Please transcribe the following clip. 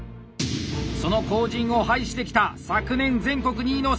その後じんを拝してきた昨年全国２位の佐藤。